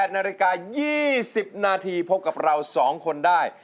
๘นาฬิกา๒๐นาทีพบกับเรา๒คนได้